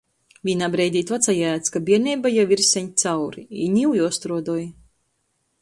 Vīnā breidī tu atsajēdz, ka bierneiba jau ir seņ cauri i niu juostruodoj.